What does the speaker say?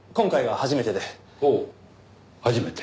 初めて？